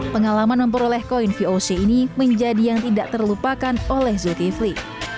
pengalaman memperoleh koin voc ini menjadi yang tidak terlupakan oleh zulkifli